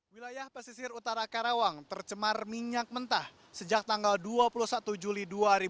wilayah pesisir utara karawang tercemar minyak mentah sejak tanggal dua puluh satu juli dua ribu dua puluh